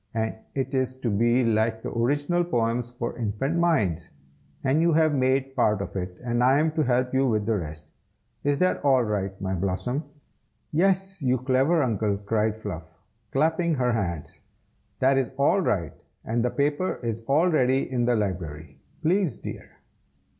And it is to be like the Original Poems for Infant Minds; and you have made part of it, and I am to help you with the rest. Is that all right, my Blossom?" "Yes, you clever Uncle!" cried Fluff, clapping her hands. "That is all right, and the paper is all ready in the library, please, dear."